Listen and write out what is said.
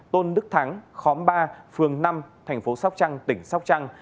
tôn đức thắng khóm ba phường năm tp sóc trăng tỉnh sóc trăng